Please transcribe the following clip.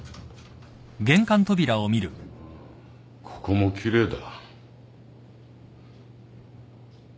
ここも奇麗だ。